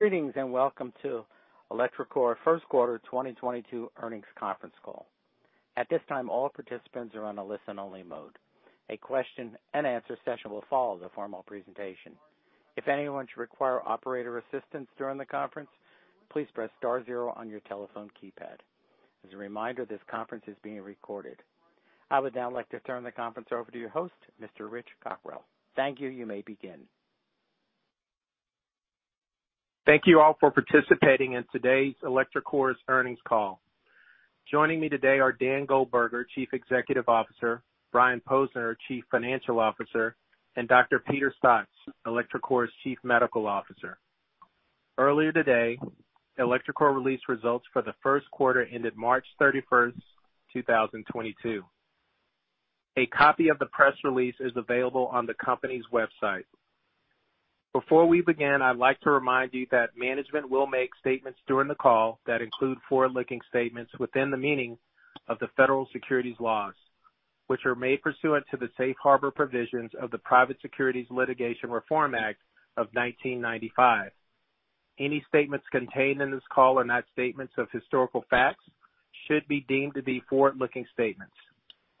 Greetings, and welcome to electroCore first quarter 2022 earnings conference call. At this time, all participants are on a listen-only mode. A question and answer session will follow the formal presentation. If anyone should require operator assistance during the conference, please press star zero on your telephone keypad. As a reminder, this conference is being recorded. I would now like to turn the conference over to your host, Mr. Rich Cockrell. Thank you. You may begin. Thank you all for participating in today's electroCore's earnings call. Joining me today are Dan Goldberger, Chief Executive Officer, Brian Posner, Chief Financial Officer, and Dr. Peter Staats, electroCore's Chief Medical Officer. Earlier today, electroCore released results for the first quarter ended March 31, 2022. A copy of the press release is available on the company's website. Before we begin, I'd like to remind you that management will make statements during the call that include forward-looking statements within the meaning of the federal securities laws, which are made pursuant to the safe harbor provisions of the Private Securities Litigation Reform Act of 1995. Any statements contained in this call and not statements of historical facts should be deemed to be forward-looking statements.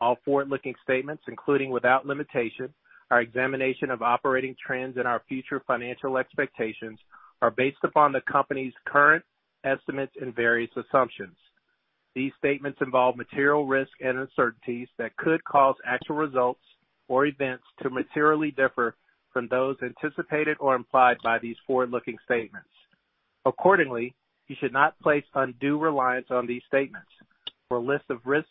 All forward-looking statements, including without limitation, our examination of operating trends and our future financial expectations, are based upon the company's current estimates and various assumptions. These statements involve material risks and uncertainties that could cause actual results or events to materially differ from those anticipated or implied by these forward-looking statements. Accordingly, you should not place undue reliance on these statements. For a list of risks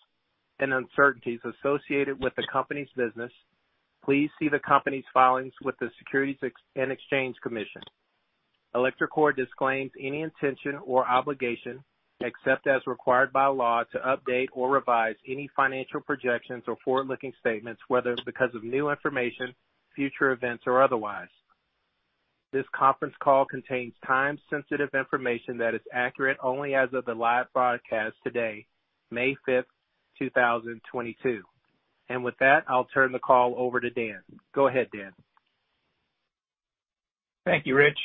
and uncertainties associated with the company's business, please see the company's filings with the Securities and Exchange Commission. electroCore disclaims any intention or obligation, except as required by law, to update or revise any financial projections or forward-looking statements, whether because of new information, future events, or otherwise. This conference call contains time-sensitive information that is accurate only as of the live broadcast today, May 5, 2022. With that, I'll turn the call over to Dan. Go ahead, Dan. Thank you, Rich.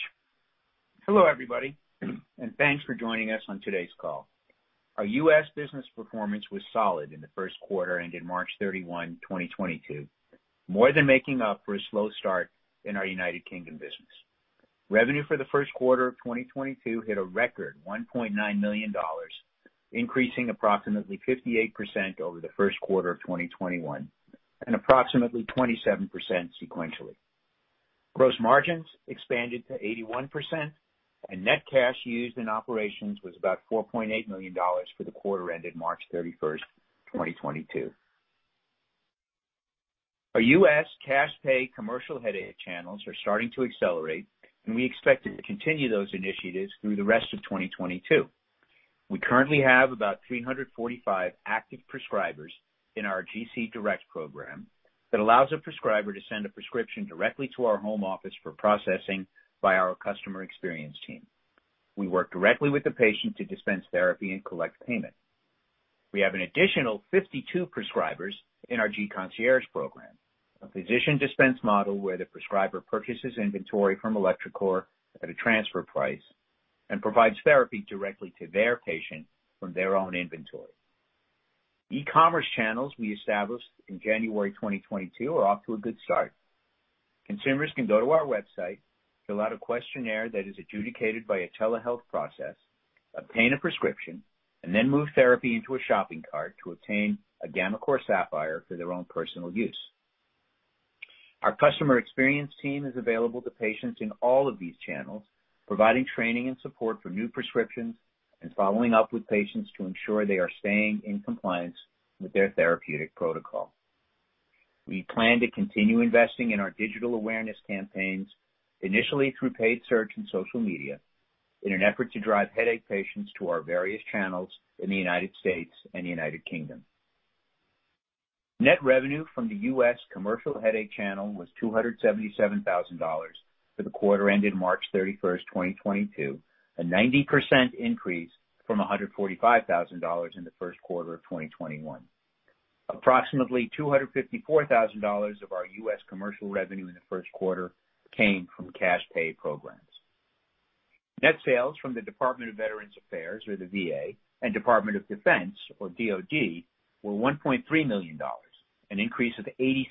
Hello, everybody, and thanks for joining us on today's call. Our U.S. business performance was solid in the first quarter ending March 31, 2022, more than making up for a slow start in our United Kingdom business. Revenue for the first quarter of 2022 hit a record $1.9 million, increasing approximately 58% over the first quarter of 2021, and approximately 27% sequentially. Gross margins expanded to 81%, and net cash used in operations was about $4.8 million for the quarter ended March 31, 2022. Our U.S. Cash pay commercial headache channels are starting to accelerate, and we expect to continue those initiatives through the rest of 2022. We currently have about 345 active prescribers in our gCDirect program that allows a prescriber to send a prescription directly to our home office for processing by our customer experience team. We work directly with the patient to dispense therapy and collect payment. We have an additional 52 prescribers in our gConcierge program, a physician dispense model where the prescriber purchases inventory from electroCore at a transfer price and provides therapy directly to their patient from their own inventory. E-commerce channels we established in January 2022 are off to a good start. Consumers can go to our website, fill out a questionnaire that is adjudicated by a telehealth process, obtain a prescription, and then move therapy into a shopping cart to obtain a gammaCore Sapphire for their own personal use. Our customer experience team is available to patients in all of these channels, providing training and support for new prescriptions and following up with patients to ensure they are staying in compliance with their therapeutic protocol. We plan to continue investing in our digital awareness campaigns, initially through paid search and social media, in an effort to drive headache patients to our various channels in the United States and United Kingdom. Net revenue from the U.S. commercial headache channel was $277,000 for the quarter ended March 31, 2022, a 90% increase from $145,000 in the first quarter of 2021. Approximately $254,000 of our U.S. commercial revenue in the first quarter came from cash pay programs. Net sales from the Department of Veterans Affairs, or the VA, and Department of Defense, or DoD, were $1.3 million, an increase of 86%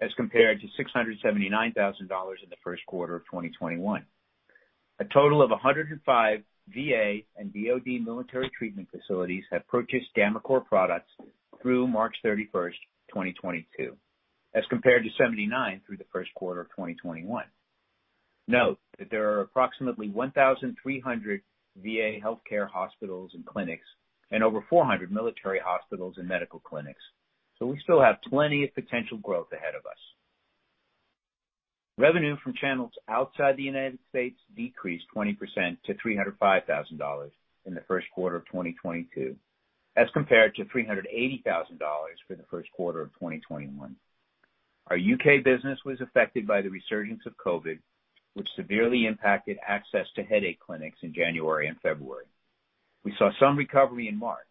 as compared to $679,000 in the first quarter of 2021. A total of 105 VA and DoD military treatment facilities have purchased gammaCore products through March thirty-first, 2022, as compared to 79 through the first quarter of 2021. Note that there are approximately 1,300 VA healthcare hospitals and clinics and over 400 military hospitals and medical clinics, so we still have plenty of potential growth ahead of us. Revenue from channels outside the United States decreased 20% to $305,000 in the first quarter of 2022, as compared to $380,000 for the first quarter of 2021. Our U.K. business was affected by the resurgence of COVID, which severely impacted access to headache clinics in January and February. We saw some recovery in March,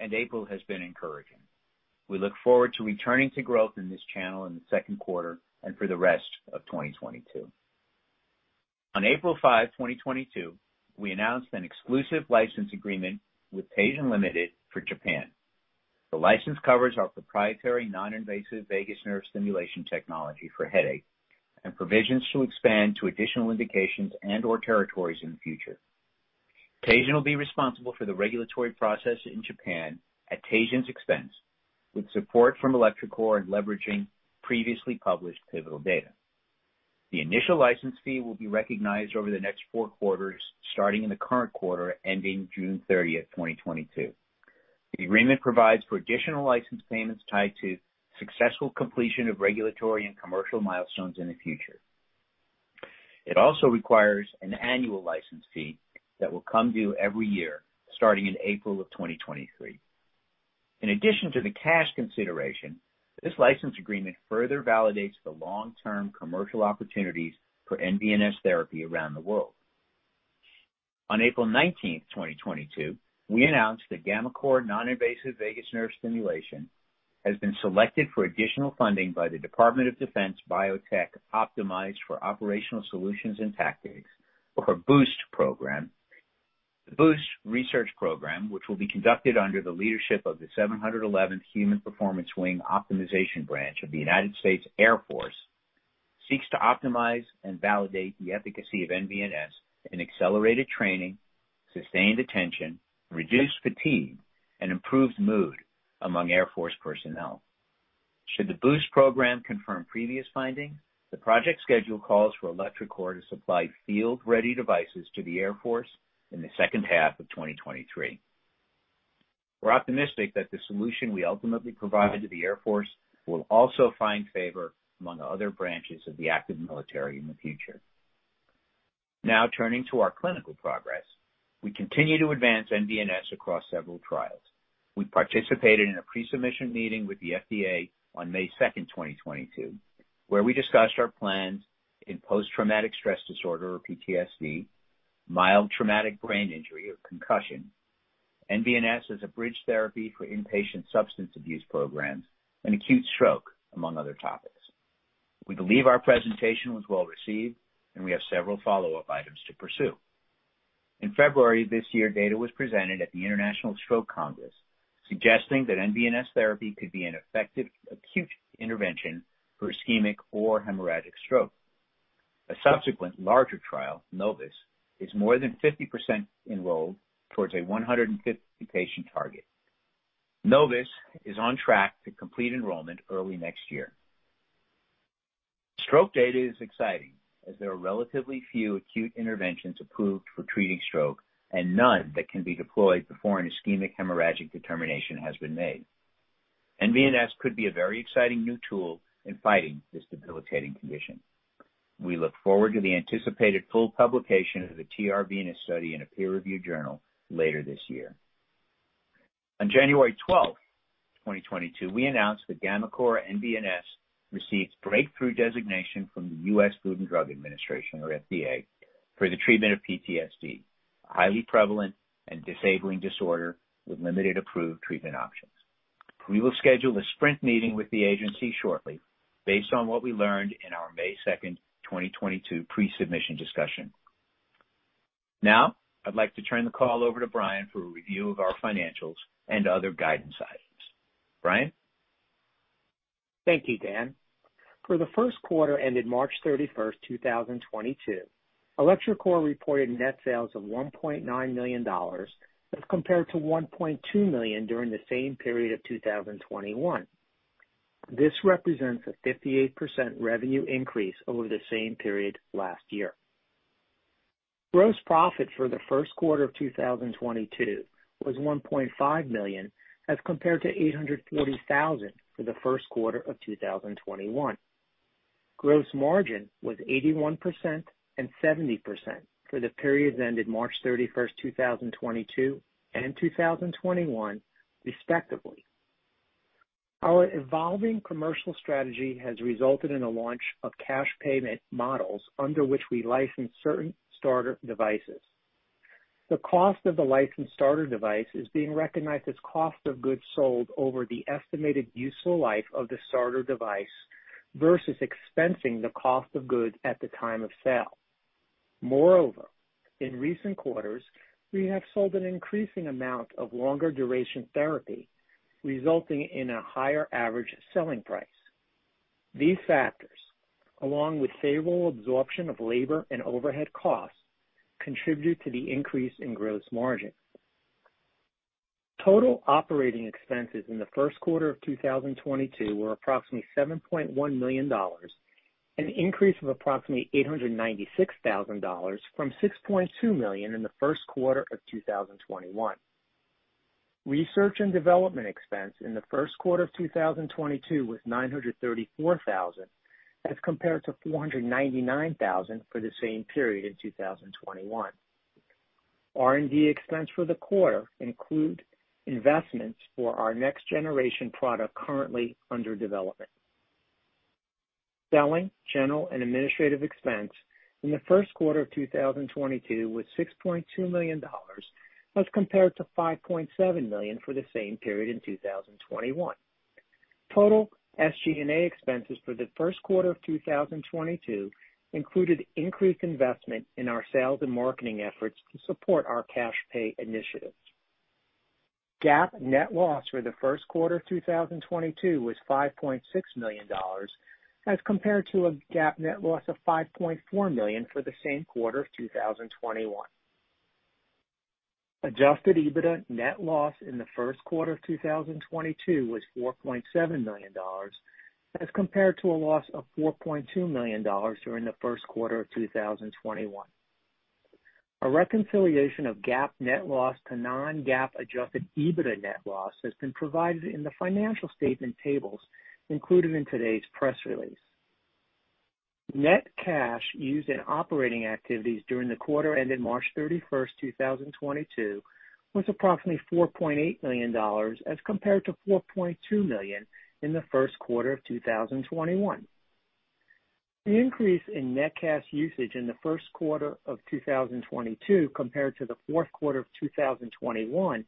and April has been encouraging. We look forward to returning to growth in this channel in the second quarter and for the rest of 2022. On April 5, 2022, we announced an exclusive license agreement with Teijin Limited for Japan. The license covers our proprietary non-invasive vagus nerve stimulation technology for headache and provisions to expand to additional indications and/or territories in the future. Teijin will be responsible for the regulatory process in Japan at Teijin's expense, with support from electroCore and leveraging previously published pivotal data. The initial license fee will be recognized over the next four quarters, starting in the current quarter ending June 30, 2022. The agreement provides for additional license payments tied to successful completion of regulatory and commercial milestones in the future. It also requires an annual license fee that will come due every year, starting in April 2023. In addition to the cash consideration, this license agreement further validates the long-term commercial opportunities for NVNS therapy around the world. On April 19, 2022, we announced that gammaCore non-invasive vagus nerve stimulation has been selected for additional funding by the Department of Defense Biotech Optimized for Operational Solutions and Tactics, or BOOST program. The BOOST research program, which will be conducted under the leadership of the 711th Human Performance Wing Optimization Branch of the United States Air Force, seeks to optimize and validate the efficacy of NVNS in accelerated training, sustained attention, reduced fatigue, and improved mood among Air Force personnel. Should the BOOST program confirm previous findings, the project schedule calls for electroCore to supply field-ready devices to the Air Force in the second half of 2023. We're optimistic that the solution we ultimately provide to the Air Force will also find favor among other branches of the active military in the future. Now turning to our clinical progress. We continue to advance nVNS across several trials. We participated in a pre-submission meeting with the FDA on May 2, 2022, where we discussed our plans in post-traumatic stress disorder, or PTSD, mild traumatic brain injury or concussion, nVNS as a bridge therapy for inpatient substance abuse programs, and acute stroke, among other topics. We believe our presentation was well-received, and we have several follow-up items to pursue. In February this year, data was presented at the International Stroke Congress suggesting that NVNS therapy could be an effective acute intervention for ischemic or hemorrhagic stroke. A subsequent larger trial, NOVUS, is more than 50% enrolled towards a 150-patient target. NOVUS is on track to complete enrollment early next year. Stroke data is exciting as there are relatively few acute interventions approved for treating stroke and none that can be deployed before an ischemic or hemorrhagic determination has been made. NVNS could be a very exciting new tool in fighting this debilitating condition. We look forward to the anticipated full publication of the TR-VENUS study in a peer-reviewed journal later this year. On January twelfth, 2022, we announced that gammaCore NVNS received breakthrough designation from the US Food and Drug Administration, or FDA, for the treatment of PTSD, a highly prevalent and disabling disorder with limited approved treatment options. We will schedule a sprint meeting with the agency shortly based on what we learned in our May second, 2022 pre-submission discussion. Now, I'd like to turn the call over to Brian for a review of our financials and other guidance items. Brian? Thank you, Dan. For the first quarter ending March 31, 2022, electroCore reported net sales of $1.9 million as compared to $1.2 million during the same period of 2021. This represents a 58% revenue increase over the same period last year. Gross profit for the first quarter of 2022 was $1.5 million as compared to $840,000 for the first quarter of 2021. Gross margin was 81% and 70% for the periods ending March 31, 2022 and 2021, respectively. Our evolving commercial strategy has resulted in a launch of cash payment models under which we license certain starter devices. The cost of the licensed starter device is being recognized as cost of goods sold over the estimated useful life of the starter device versus expensing the cost of goods at the time of sale. Moreover, in recent quarters, we have sold an increasing amount of longer duration therapy, resulting in a higher average selling price. These factors, along with favorable absorption of labor and overhead costs, contribute to the increase in gross margin. Total operating expenses in the first quarter of 2022 were approximately $7.1 million, an increase of approximately $896,000 from $6.2 million in the first quarter of 2021. Research and development expense in the first quarter of 2022 was $934,000 as compared to $499,000 for the same period in 2021. R&D expense for the quarter includes investments for our next generation product currently under development. Selling, general, and administrative expense in the first quarter of 2022 was $6.2 million as compared to $5.7 million for the same period in 2021. Total SG&A expenses for the first quarter of 2022 included increased investment in our sales and marketing efforts to support our cash pay initiatives. GAAP net loss for the first quarter of 2022 was $5.6 million, as compared to a GAAP net loss of $5.4 million for the same quarter of 2021. Adjusted EBITDA net loss in the first quarter of 2022 was $4.7 million, as compared to a loss of $4.2 million during the first quarter of 2021. A reconciliation of GAAP net loss to non-GAAP adjusted EBITDA net loss has been provided in the financial statement tables included in today's press release. Net cash used in operating activities during the quarter ended March 31, 2022 was approximately $4.8 million, as compared to $4.2 million in the first quarter of 2021. The increase in net cash usage in the first quarter of 2022 compared to the fourth quarter of 2021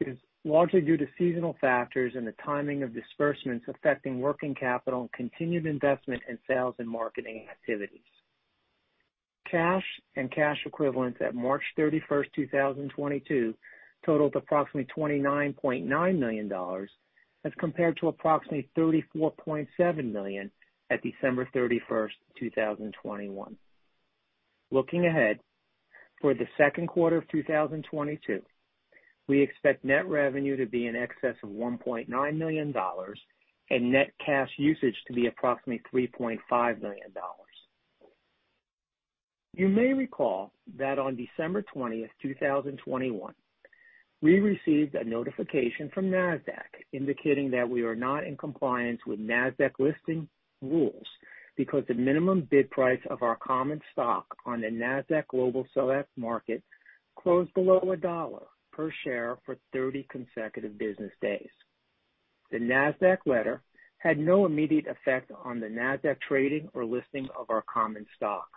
is largely due to seasonal factors and the timing of disbursements affecting working capital and continued investment in sales and marketing activities. Cash and cash equivalents at March 31, 2022 totaled approximately $29.9 million, as compared to approximately $34.7 million at December 31, 2021. Looking ahead, for the second quarter of 2022, we expect net revenue to be in excess of $1.9 million and net cash usage to be approximately $3.5 million. You may recall that on December 20, 2021, we received a notification from Nasdaq indicating that we are not in compliance with Nasdaq listing rules because the minimum bid price of our common stock on the Nasdaq Global Select Market closed below $1 per share for 30 consecutive business days. The Nasdaq letter had no immediate effect on the Nasdaq trading or listing of our common stock.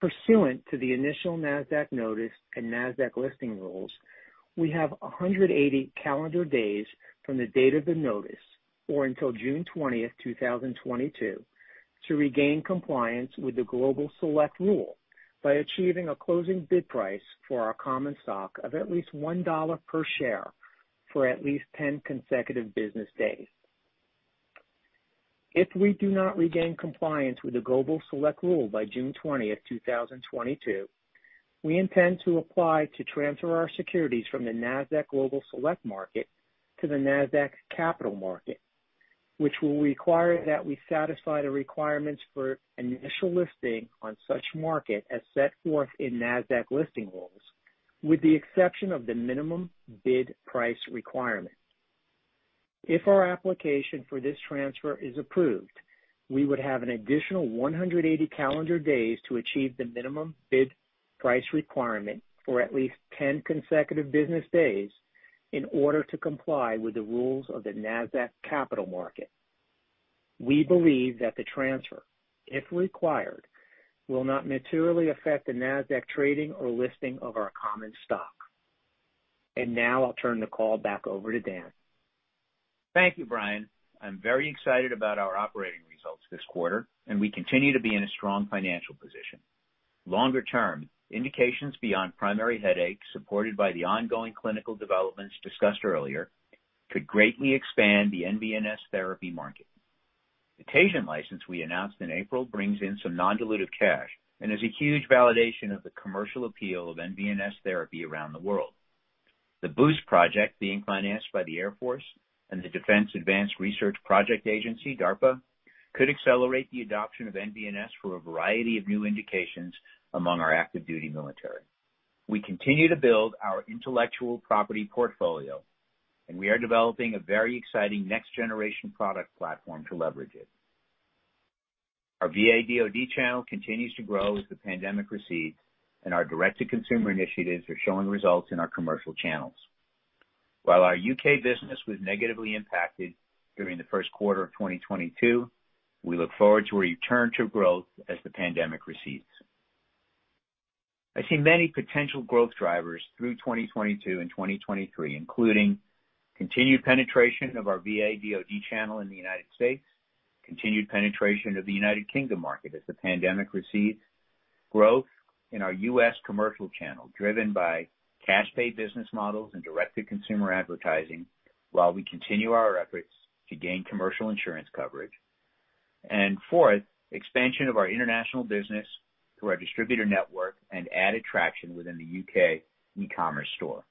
Pursuant to the initial Nasdaq notice and Nasdaq listing rules, we have 180 calendar days from the date of the notice, or until June 20, 2022, to regain compliance with the Global Select rule by achieving a closing bid price for our common stock of at least $1 per share for at least 10 consecutive business days. If we do not regain compliance with the Global Select rule by June 20, 2022, we intend to apply to transfer our securities from the Nasdaq Global Select Market to the Nasdaq Capital Market, which will require that we satisfy the requirements for initial listing on such market as set forth in Nasdaq listing rules, with the exception of the minimum bid price requirement. If our application for this transfer is approved, we would have an additional 180 calendar days to achieve the minimum bid price requirement for at least 10 consecutive business days in order to comply with the rules of the Nasdaq Capital Market. We believe that the transfer, if required, will not materially affect the Nasdaq trading or listing of our common stock. Now I'll turn the call back over to Dan. Thank you, Brian. I'm very excited about our operating results this quarter, and we continue to be in a strong financial position. Longer term, indications beyond primary headaches, supported by the ongoing clinical developments discussed earlier, could greatly expand the NVNS therapy market. The Teijin license we announced in April brings in some non-dilutive cash and is a huge validation of the commercial appeal of NVNS therapy around the world. The BOOST project being financed by the Air Force and the Defense Advanced Research Projects Agency, DARPA, could accelerate the adoption of NVNS for a variety of new indications among our active duty military. We continue to build our intellectual property portfolio, and we are developing a very exciting next-generation product platform to leverage it. Our VA DoD channel continues to grow as the pandemic recedes, and our direct-to-consumer initiatives are showing results in our commercial channels. While our U.K. business was negatively impacted during the first quarter of 2022, we look forward to a return to growth as the pandemic recedes. I see many potential growth drivers through 2022 and 2023, including continued penetration of our VA DoD channel in the United States, continued penetration of the United Kingdom market as the pandemic recedes, growth in our U.S. commercial channel driven by cash pay business models and direct-to-consumer advertising while we continue our efforts to gain commercial insurance coverage. Fourth, expansion of our international business through our distributor network and added traction within the U.K. e-commerce store.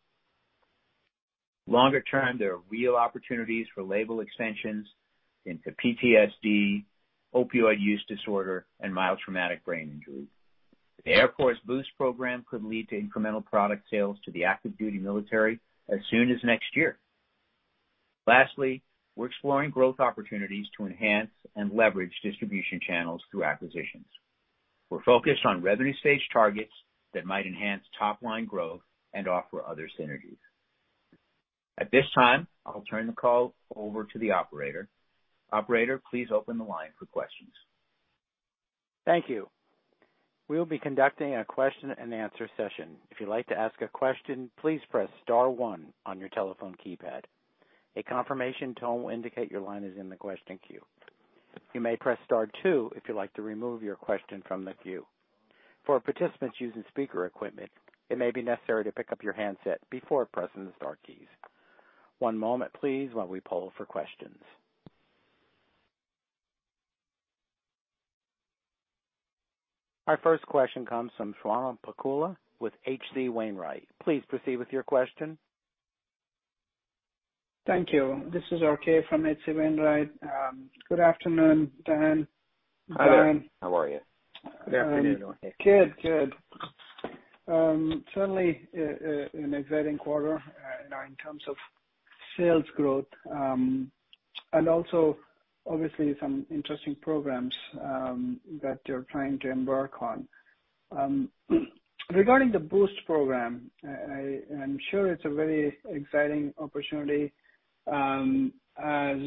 Longer term, there are real opportunities for label extensions into PTSD, opioid use disorder, and mild traumatic brain injury. The Air Force BOOST program could lead to incremental product sales to the active duty military as soon as next year. Lastly, we're exploring growth opportunities to enhance and leverage distribution channels through acquisitions. We're focused on revenue stage targets that might enhance top line growth and offer other synergies. At this time, I'll turn the call over to the operator. Operator, please open the line for questions. Thank you. We'll be conducting a question and answer session. If you'd like to ask a question, please press star one on your telephone keypad. A confirmation tone will indicate your line is in the question queue. You may press star two if you'd like to remove your question from the queue. For participants using speaker equipment, it may be necessary to pick up your handset before pressing the star keys. One moment please, while we poll for questions. Our first question comes from Swayampakula Ramakanth with H.C. Wainwright. Please proceed with your question. Thank you. This is RK from H.C. Wainwright. Good afternoon, Dan and Brian. Hi there. How are you? Good afternoon, R.K. Good. Certainly, an exciting quarter, you know, in terms of sales growth, and also obviously some interesting programs that you're trying to embark on. Regarding the BOOST program, I'm sure it's a very exciting opportunity, as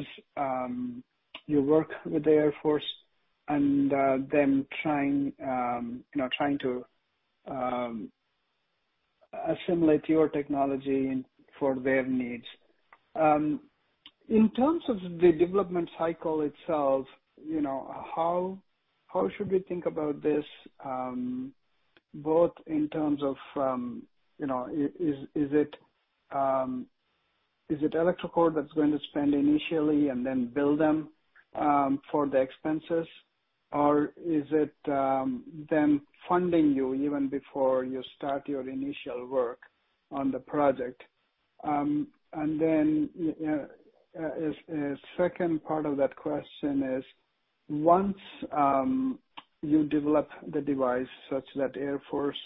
you work with the Air Force and them trying to assimilate your technology for their needs. In terms of the development cycle itself, you know, how should we think about this, both in terms of, you know, is it electroCore that's going to spend initially and then bill them for the expenses? Or is it them funding you even before you start your initial work on the project? A second part of that question is, once you develop the device such that Air Force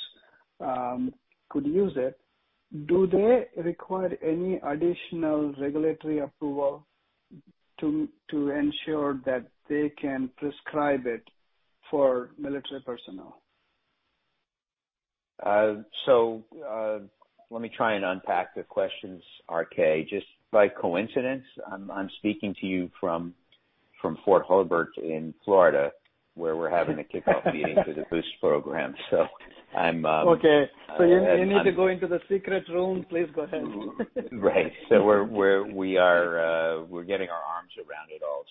could use it, do they require any additional regulatory approval to ensure that they can prescribe it for military personnel? Let me try and unpack the questions, RK. Just by coincidence, I'm speaking to you from Hurlburt Field in Florida, where we're having a kickoff meeting for the BOOST program. Okay. You need to go into the secret room. Please go ahead. Right. We're getting our arms around it all.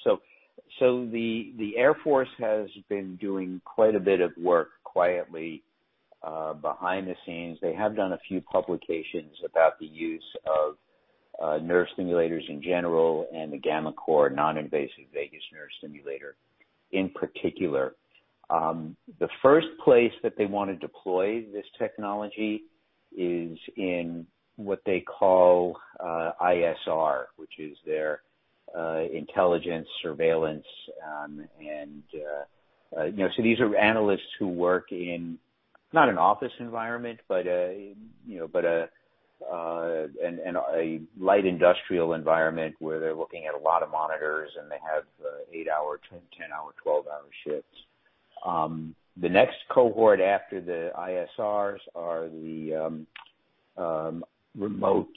The Air Force has been doing quite a bit of work quietly behind the scenes. They have done a few publications about the use of nerve stimulators in general and the gammaCore non-invasive vagus nerve stimulation in particular. The first place that they wanna deploy this technology is in what they call ISR, which is their intelligence surveillance. You know, these are analysts who work in not an office environment, but in a light industrial environment where they're looking at a lot of monitors and they have eight-hour, 10-hour, 12-hour shifts. The next cohort after the ISRs are the remote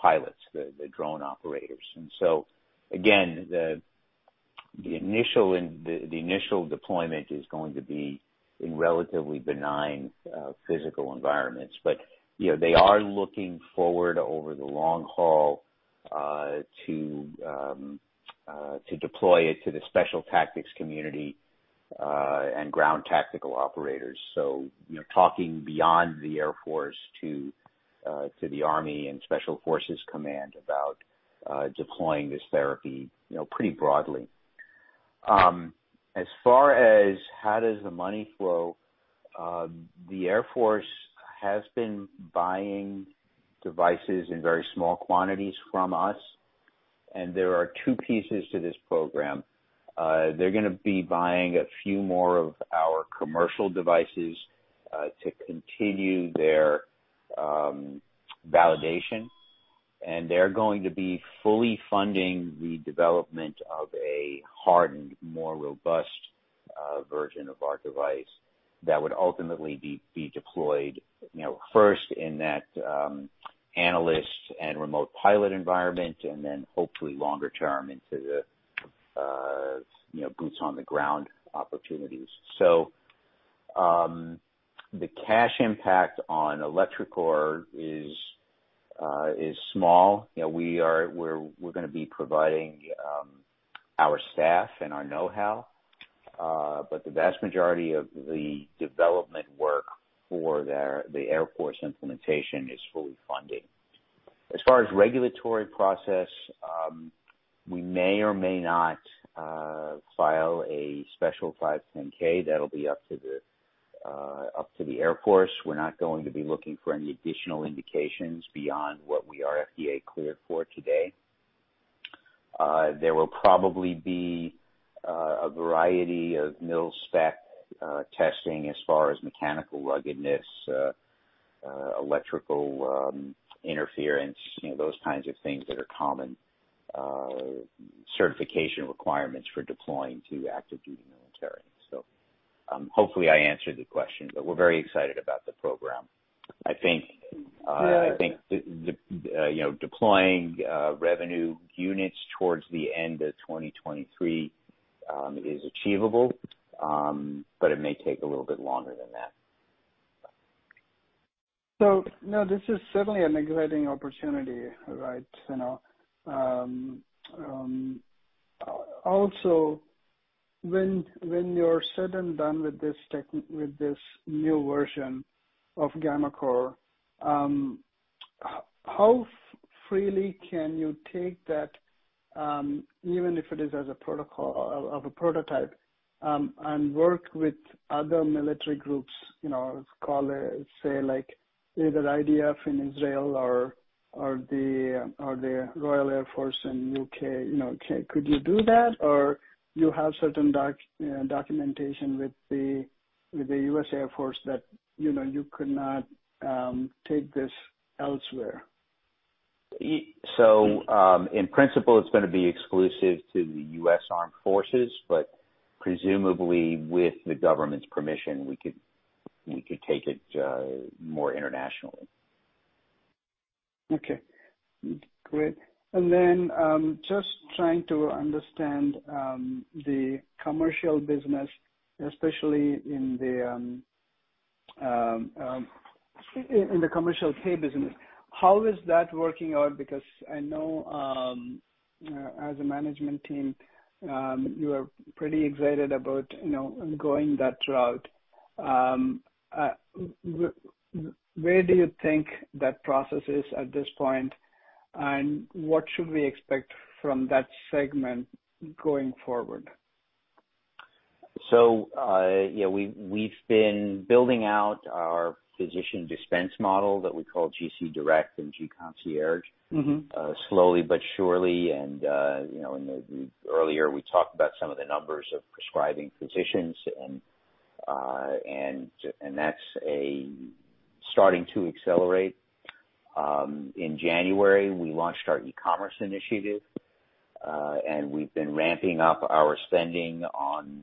pilots, the drone operators. Again, the initial deployment is going to be in relatively benign physical environments. You know, they are looking forward over the long haul to deploy it to the special tactics community and ground tactical operators. You know, talking beyond the Air Force to the Army and Special Forces command about deploying this therapy pretty broadly. As far as how does the money flow, the Air Force has been buying devices in very small quantities from us, and there are two pieces to this program. They're gonna be buying a few more of our commercial devices to continue their validation, and they're going to be fully funding the development of a hardened, more robust version of our device that would ultimately be deployed, you know, first in that analyst and remote pilot environment and then hopefully longer term into the you know, boots on the ground opportunities. The cash impact on electroCore is small. You know, we're gonna be providing our staff and our know-how, but the vast majority of the development work for their Air Force implementation is fully funded. As far as regulatory process, we may or may not file a special 510(k). That'll be up to the Air Force. We're not going to be looking for any additional indications beyond what we are FDA cleared for today. There will probably be a variety of MIL-SPEC testing as far as mechanical ruggedness, electrical interference, you know, those kinds of things that are common certification requirements for deploying to active duty military. Hopefully I answered the question, but we're very excited about the program. I think. Yeah. I think you know deploying revenue units towards the end of 2023 is achievable, but it may take a little bit longer than that. No, this is certainly an exciting opportunity, right? You know, also when all is said and done with this new version of gammaCore, how freely can you take that, even if it is as a protocol of a prototype, and work with other military groups you know, call it, say like either IDF in Israel or the Royal Air Force in U.K., you know, could you do that? Or you have certain documentation with the U.S. Air Force that, you know, you could not take this elsewhere? In principle, it's gonna be exclusive to the U.S. Armed Forces, but presumably with the government's permission, we could take it more internationally. Okay. Great. Just trying to understand the commercial business, especially in the commercial pay business. How is that working out? Because I know, as a management team, you are pretty excited about, you know, going that route. Where do you think that process is at this point, and what should we expect from that segment going forward? Yeah, we've been building out our physician dispense model that we call gCDirect and gConcierge. Mm-hmm. Slowly but surely. You know, earlier, we talked about some of the numbers of prescribing physicians and that's starting to accelerate. In January, we launched our e-commerce initiative, and we've been ramping up our spending on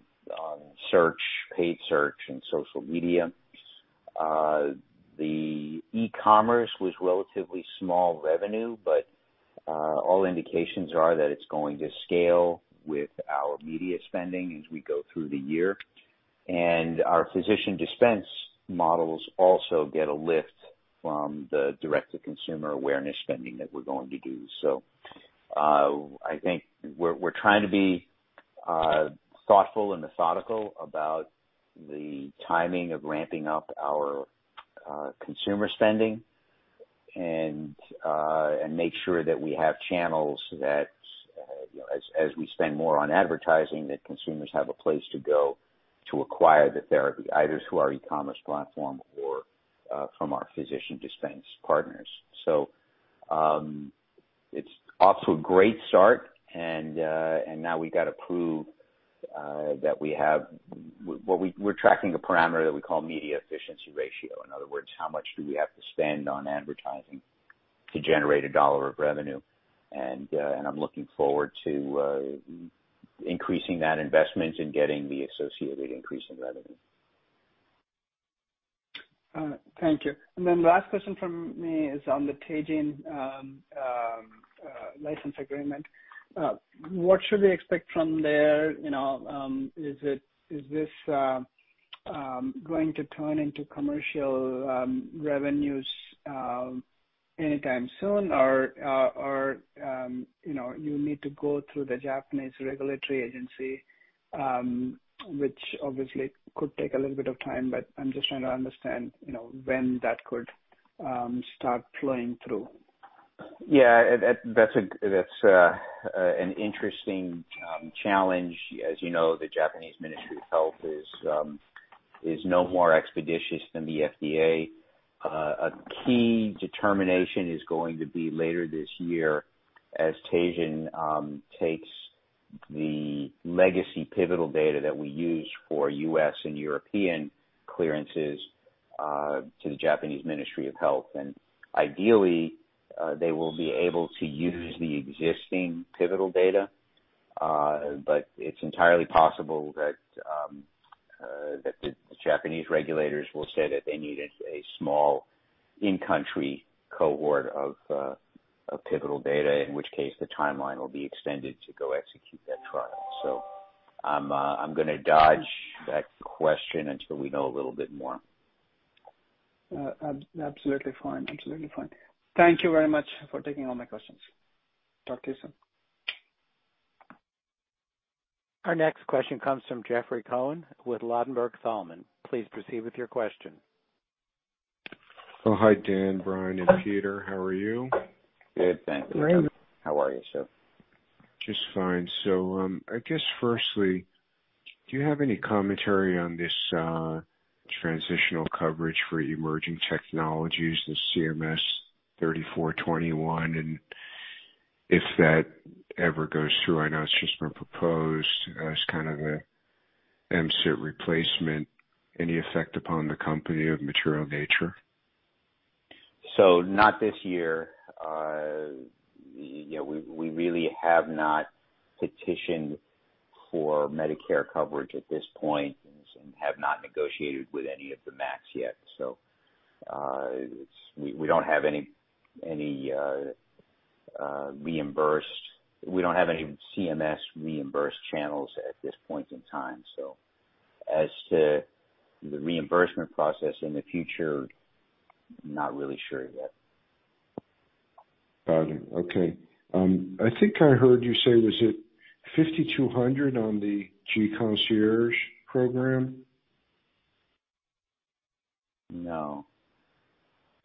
search, paid search and social media. The e-commerce was relatively small revenue, but all indications are that it's going to scale with our media spending as we go through the year. Our physician dispense models also get a lift from the direct to consumer awareness spending that we're going to do. I think we're trying to be thoughtful and methodical about the timing of ramping up our consumer spending and make sure that we have channels that you know, as we spend more on advertising, that consumers have a place to go to acquire the therapy, either through our e-commerce platform or from our physician dispense partners. It's off to a great start and now we gotta prove that we're tracking a parameter that we call media efficiency ratio. In other words, how much do we have to spend on advertising to generate a dollar of revenue? I'm looking forward to increasing that investment and getting the associated increase in revenue. Thank you. Last question from me is on the Teijin license agreement. What should we expect from their, you know, is this going to turn into commercial revenues anytime soon? Or, you know, you need to go through the Japanese Regulatory Agency, which obviously could take a little bit of time, but I'm just trying to understand, you know, when that could start flowing through. Yeah. That's an interesting challenge. As you know, the Japanese Ministry of Health is no more expeditious than the FDA. A key determination is going to be later this year as Teijin takes the legacy pivotal data that we use for U.S. and European clearances to the Japanese Ministry of Health. Ideally, they will be able to use the existing pivotal data. But it's entirely possible that the Japanese regulators will say that they needed a small in-country cohort of pivotal data, in which case the timeline will be extended to go execute that trial. I'm gonna dodge that question until we know a little bit more. Absolutely fine. Absolutely fine. Thank you very much for taking all my questions. Talk to you soon. Our next question comes from Jeffrey Cohen with Ladenburg Thalmann. Please proceed with your question. Oh, hi, Dan, Brian, and Peter. How are you? Good, thank you. Great. How are you, sir? Just fine. I guess firstly, do you have any commentary on this transitional coverage for emerging technologies, the CMS 3421, and if that ever goes through? I know it's just been proposed as kind of a MCIT replacement. Any effect upon the company of material nature? Not this year. You know, we really have not petitioned for Medicare coverage at this point and have not negotiated with any of the MACs yet. We don't have any CMS reimbursed channels at this point in time. As to the reimbursement process in the future, not really sure yet. Got it. Okay. I think I heard you say, was it 5,200 on the gConcierge program? No.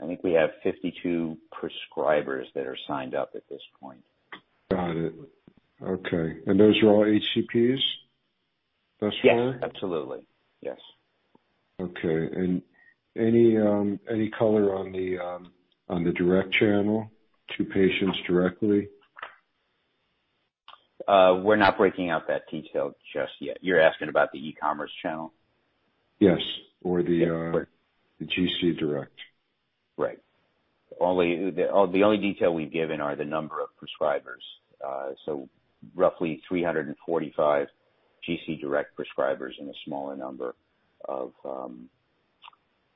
I think we have 52 prescribers that are signed up at this point. Got it. Okay. Those are all HCPs, thus far? Yes, absolutely. Yes. Okay. Any color on the direct channel to patients directly? We're not breaking out that detail just yet. You're asking about the e-commerce channel? Yes. The gCDirect. Right. The only detail we've given are the number of prescribers. Roughly 345 gCDirect prescribers and a smaller number of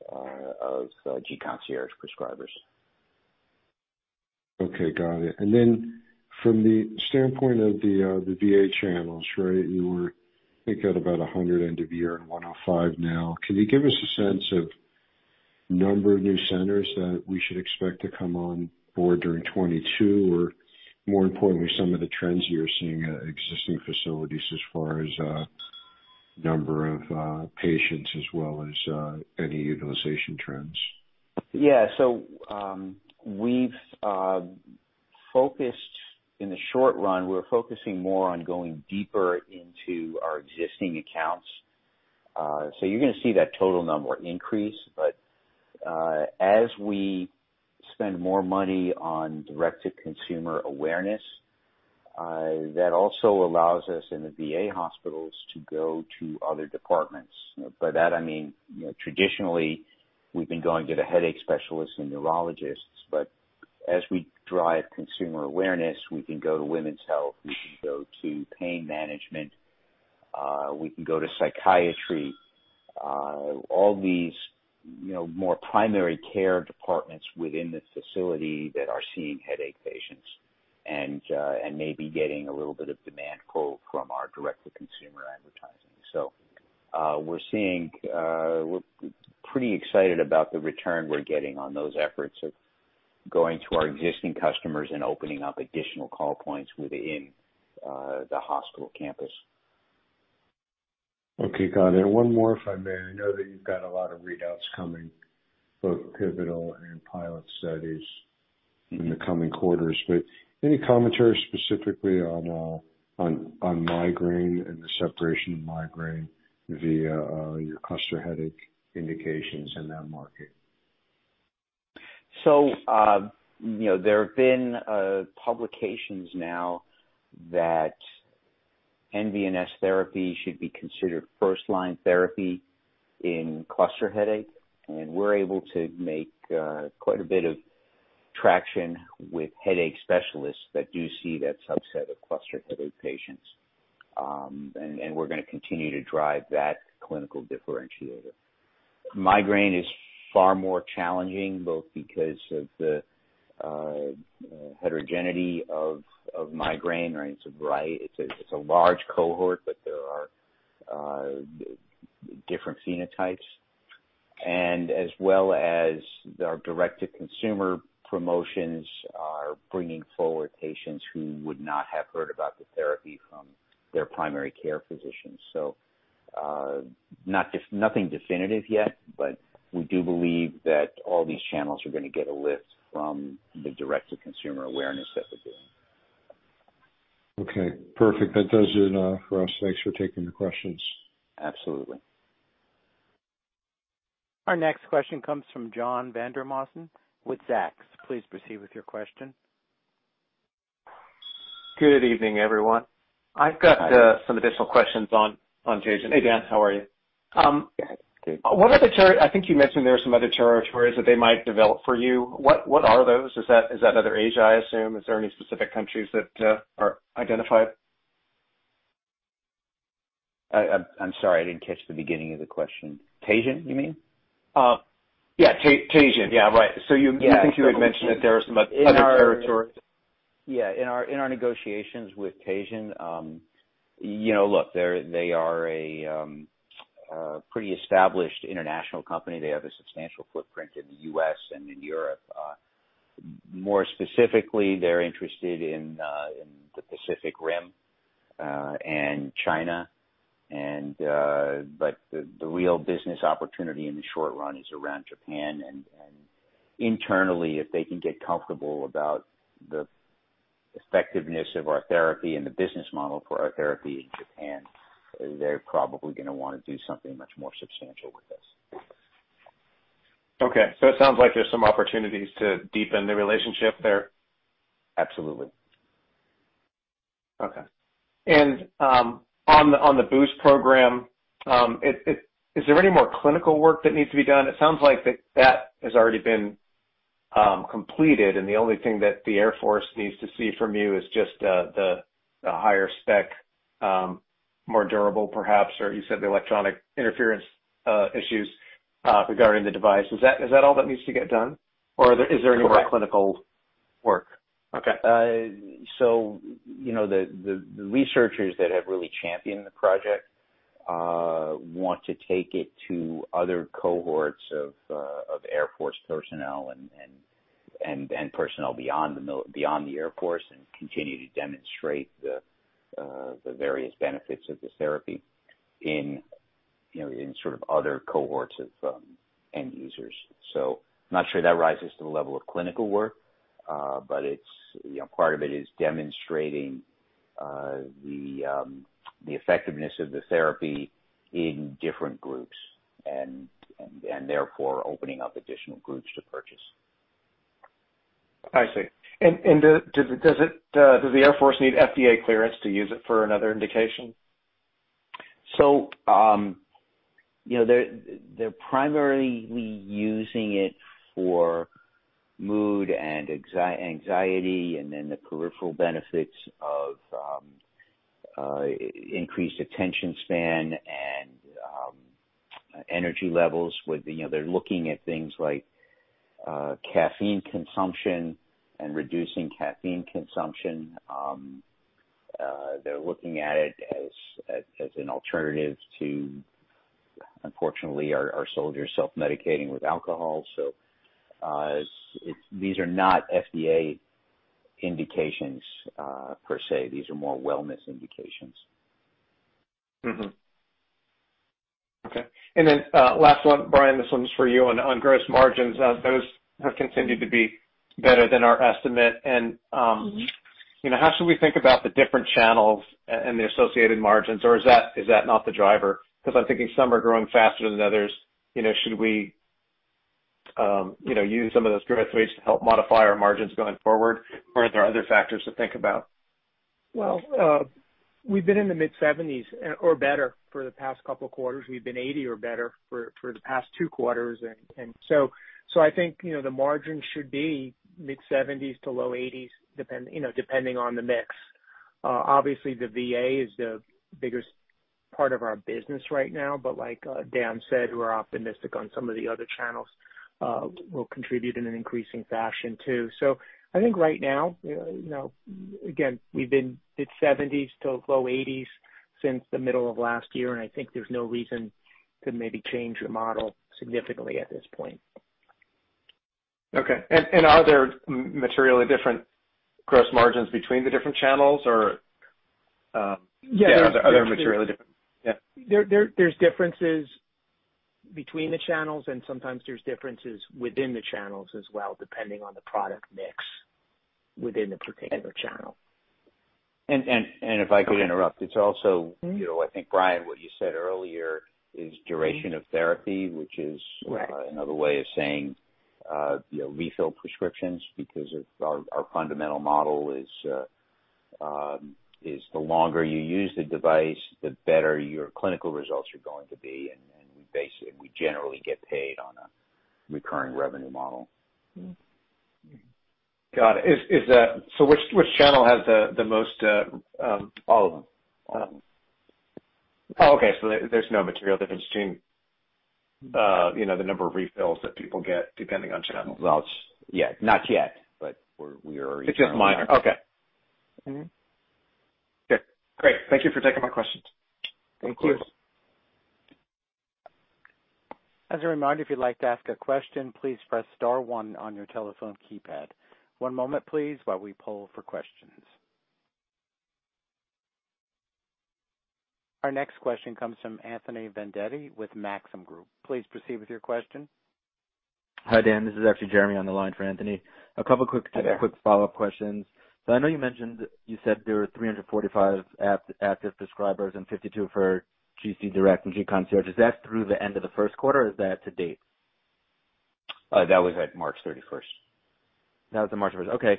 gConcierge prescribers. Okay, got it. Then from the standpoint of the VA channels, right, you were, I think, at about 100 end of year and 105 now. Can you give us a sense of number of new centers that we should expect to come on board during 2022? More importantly, some of the trends you're seeing at existing facilities as far as number of patients as well as any utilization trends? In the short run, we're focusing more on going deeper into our existing accounts. You're gonna see that total number increase. As we spend more money on direct to consumer awareness, that also allows us in the VA hospitals to go to other departments. By that I mean, you know, traditionally we've been going to the headache specialists and neurologists, but as we drive consumer awareness, we can go to women's health, we can go to pain management, we can go to psychiatry, all these, you know, more primary care departments within the facility that are seeing headache patients and maybe getting a little bit of demand pull from our direct to consumer advertising. We're seeing. We're pretty excited about the return we're getting on those efforts of going to our existing customers and opening up additional call points within the hospital campus. Okay, got it. One more, if I may. I know that you've got a lot of readouts coming, both pivotal and pilot studies in the coming quarters. Any commentary specifically on migraine and the separation of migraine via your cluster headache indications in that market? You know, there have been publications now that NVNS therapy should be considered first line therapy in cluster headache, and we're able to make quite a bit of traction with headache specialists that do see that subset of cluster headache patients. We're gonna continue to drive that clinical differentiator. Migraine is far more challenging, both because of the heterogeneity of migraine, right? It's a wide, it's a large cohort, but there are different phenotypes and as well as our direct to consumer promotions are bringing forward patients who would not have heard about the therapy from their primary care physicians. Nothing definitive yet, but we do believe that all these channels are gonna get a lift from the direct to consumer awareness that we're doing. Okay, perfect. That does it, for us. Thanks for taking the questions. Absolutely. Our next question comes from John Vandermosten with Zacks. Please proceed with your question. Good evening, everyone. Hi. I've got some additional questions on Teijin. Hey, Dan, how are you? Good. What other territories? I think you mentioned there are some other territories that they might develop for you. What are those? Is that other Asia, I assume? Is there any specific countries that are identified? I'm sorry, I didn't catch the beginning of the question. Teijin, you mean? Yeah, Teijin. Yeah. Right. Yeah. You think you had mentioned that there are some other territories. In our negotiations with Teijin, you know, look, they are a pretty established international company. They have a substantial footprint in the U.S. and in Europe. More specifically, they're interested in the Pacific Rim, and China, but the real business opportunity in the short run is around Japan. Internally, if they can get comfortable about the effectiveness of our therapy and the business model for our therapy in Japan, they're probably gonna wanna do something much more substantial with us. Okay. It sounds like there's some opportunities to deepen the relationship there. Absolutely. On the BOOST program, is there any more clinical work that needs to be done? It sounds like that has already been completed, and the only thing that the Air Force needs to see from you is just the higher spec, more durable perhaps, or you said the electronic interference issues regarding the device. Is that all that needs to get done? Or is there any more- Correct. Clinical work? Okay. You know, the researchers that have really championed the project want to take it to other cohorts of Air Force personnel and personnel beyond the Air Force and continue to demonstrate the various benefits of this therapy in, you know, in sort of other cohorts of end users. I'm not sure that rises to the level of clinical work, but it's, you know, part of it is demonstrating the effectiveness of the therapy in different groups and therefore opening up additional groups to purchase. I see. Does the Air Force need FDA clearance to use it for another indication? They're primarily using it for mood and anxiety and then the peripheral benefits of increased attention span and energy levels with they're looking at things like caffeine consumption and reducing caffeine consumption. They're looking at it as an alternative to, unfortunately, our soldiers self-medicating with alcohol. It's. These are not FDA indications per se. These are more wellness indications. Mm-hmm. Okay. Last one, Brian, this one's for you. On gross margins, those have continued to be better than our estimate. You know, how should we think about the different channels and the associated margins? Or is that not the driver? Because I'm thinking some are growing faster than others. You know, should we, you know, use some of those growth rates to help modify our margins going forward? Or are there other factors to think about? Well, we've been in the mid-70s% or better for the past couple quarters. We've been 80% or better for the past two quarters. I think, you know, the margin should be mid-70s% to low 80s%, depending on the mix. Obviously, the VA is the biggest part of our business right now. But like Dan said, we're optimistic on some of the other channels will contribute in an increasing fashion too. I think right now, you know, again, we've been mid-70s% to low 80s% since the middle of last year, and I think there's no reason to maybe change the model significantly at this point. Are there materially different gross margins between the different channels or Yeah. Are there other materially different? Yeah. There's differences between the channels and sometimes there's differences within the channels as well, depending on the product mix within the particular channel. If I could interrupt, it's also, you know, I think, Brian, what you said earlier is duration of therapy, which is. Right. Another way of saying, you know, refill prescriptions because of our fundamental model is the longer you use the device, the better your clinical results are going to be. We generally get paid on a recurring revenue model. Mm-hmm. Got it. Is that? Which channel has the most All of them. All of them. Oh, okay. There's no material difference between, you know, the number of refills that people get depending on channels. Well, yeah, not yet, but we are- It's just minor. Okay. Mm-hmm. Okay. Great. Thank you for taking my questions. Thank you. Of course. As a reminder, if you'd like to ask a question, please press star one on your telephone keypad. One moment, please, while we poll for questions. Our next question comes from Anthony Vendetti with Maxim Group. Please proceed with your question. Hi, Dan. This is actually Jeremy on the line for Anthony. Hi, Jeremy. Quick follow-up questions. I know you mentioned you said there were 345 active prescribers and 52 for gCDirect and gConcierge. Is that through the end of the first quarter or is that to date? That was at March 31st. That was at March first. Okay.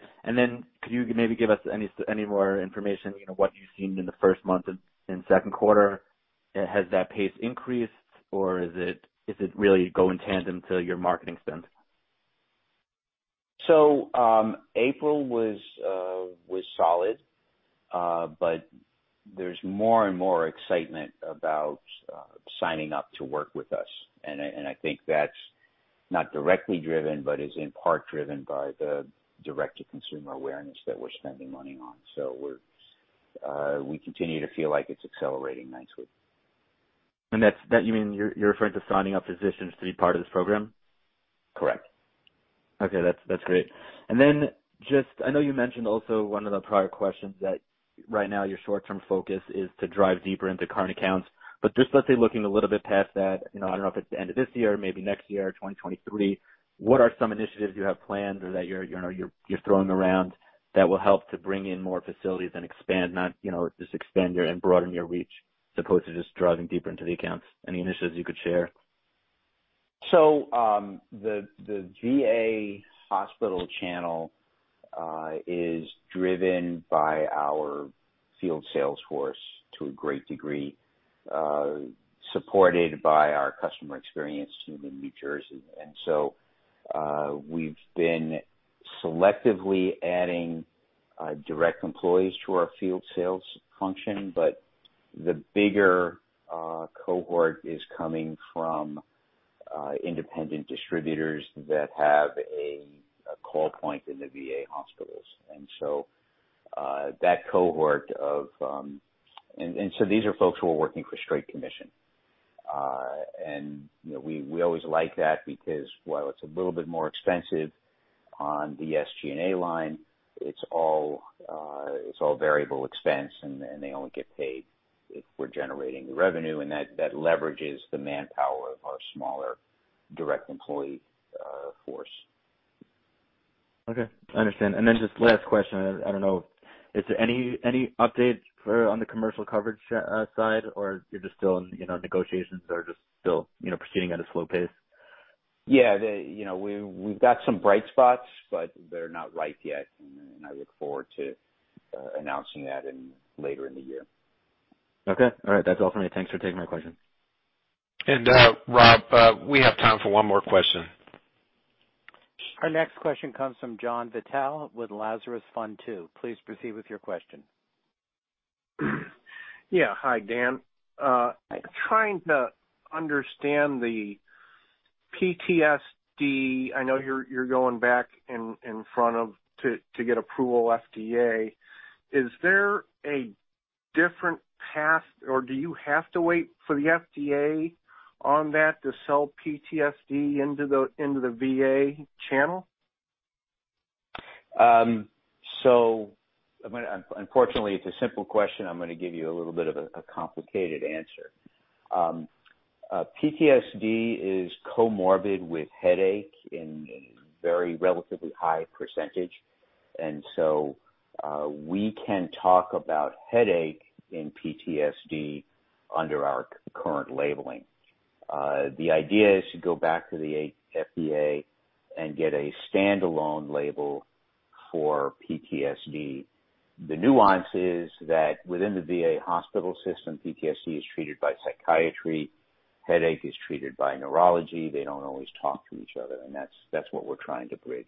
Could you maybe give us any more information, you know, what you've seen in the first month in second quarter? Has that pace increased or is it really going in tandem with your marketing spend? April was solid. There's more and more excitement about signing up to work with us. I think that's not directly driven, but is in part driven by the direct-to-consumer awareness that we're spending money on. We continue to feel like it's accelerating nicely. That's what you mean you're referring to signing up physicians to be part of this program? Correct. Okay, that's great. Just, I know you mentioned also one of the prior questions that right now your short-term focus is to drive deeper into current accounts. Just let's say, looking a little bit past that, you know, I don't know if it's the end of this year, maybe next year, or 2023, what are some initiatives you have planned or that you're, you know, throwing around that will help to bring in more facilities and expand, not, you know, just expand your and broaden your reach as opposed to just driving deeper into the accounts? Any initiatives you could share? The VA hospital channel is driven by our field sales force to a great degree, supported by our customer experience team in New Jersey. We've been selectively adding direct employees to our field sales function. The bigger cohort is coming from independent distributors that have a call point in the VA hospitals. These are folks who are working for straight commission. You know, we always like that because while it's a little bit more expensive on the SG&A line, it's all variable expense and they only get paid if we're generating the revenue. That leverages the manpower of our smaller direct employee force. Okay. I understand. Just last question. Is there any updates on the commercial coverage side, or you're just still in, you know, negotiations are just still, you know, proceeding at a slow pace? You know, we've got some bright spots, but they're not ripe yet. I look forward to announcing that later in the year. Okay. All right. That's all for me. Thanks for taking my question. Rob, we have time for one more question. Our next question comes from John Vitale with Lazarus Fund II. Please proceed with your question. Yeah. Hi, Dan. Trying to understand the PTSD. I know you're going back in front of the FDA to get FDA approval. Is there a different path or do you have to wait for the FDA on that to sell PTSD into the VA channel? Unfortunately, it's a simple question. I'm gonna give you a little bit of a complicated answer. PTSD is comorbid with headache in very relatively high percentage. We can talk about headache in PTSD under our current labeling. The idea is to go back to the FDA and get a standalone label for PTSD. The nuance is that within the VA hospital system, PTSD is treated by psychiatry. Headache is treated by neurology. They don't always talk to each other, and that's what we're trying to bridge.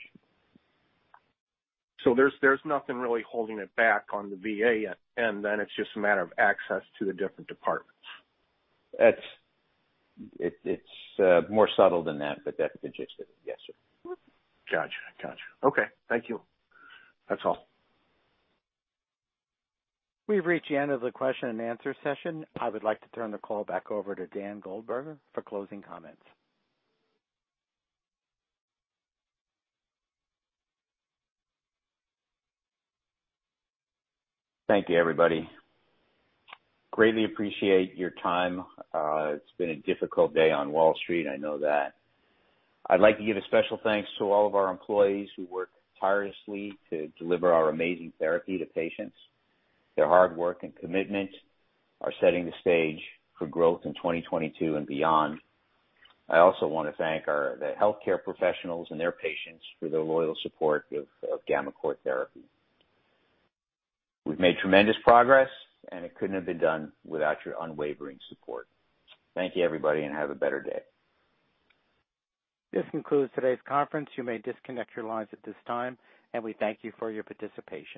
There's nothing really holding it back on the VA yet, and then it's just a matter of access to the different departments. It's more subtle than that, but that's the gist of it. Yes, sir. Gotcha. Okay. Thank you. That's all. We've reached the end of the question and answer session. I would like to turn the call back over to Dan Goldberger for closing comments. Thank you, everybody. Greatly appreciate your time. It's been a difficult day on Wall Street, I know that. I'd like to give a special thanks to all of our employees who work tirelessly to deliver our amazing therapy to patients. Their hard work and commitment are setting the stage for growth in 2022 and beyond. I also wanna thank our, the healthcare professionals and their patients for their loyal support of gammaCore therapy. We've made tremendous progress, and it couldn't have been done without your unwavering support. Thank you, everybody, and have a better day. This concludes today's conference. You may disconnect your lines at this time, and we thank you for your participation.